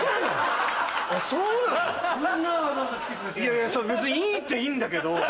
いやいやそんな別にいいっちゃいいんだけど。